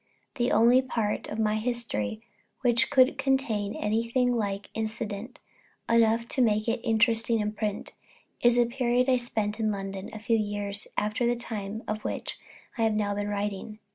_ The only other part of my history which could contain anything like incident enough to make it interesting in print, is a period I spent in London some few years after the time of which I have now been writing.